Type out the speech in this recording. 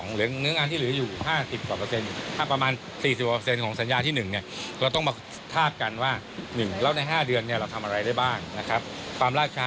หรือเนื้องานที่เหลืออยู่๕๐บาท